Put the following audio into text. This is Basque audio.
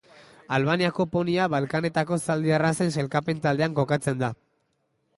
Albaniako ponia Balkanetako zaldi arrazen sailkapen taldean kokatzen da.